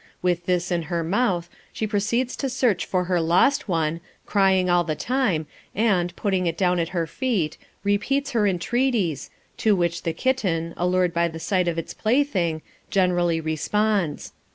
With this in her mouth, she proceeds to search for her lost one, crying all the time, and, putting it down at her feet, repeats her entreaties, to which the kitten, allured by the sight of its plaything, generally responds.